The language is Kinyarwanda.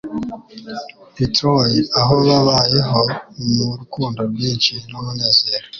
i Troy aho babaayeho mu rukundo rwinshi n'umunezero.